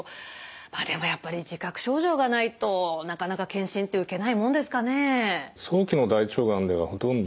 まあでもやっぱり自覚症状がないとなかなか検診って受けないもんですかね？